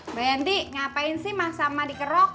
mbak yanti ngapain sih masa emak dikerok